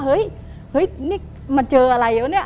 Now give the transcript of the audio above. เฮ้ยนี่มาเจออะไรแล้วเนี่ย